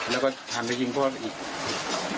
แล้วก็หันไปยิงพ่อไปอีก